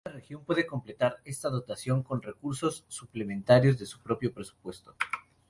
Cada región puede completar esta dotación con recursos suplementarios de su propio presupuesto.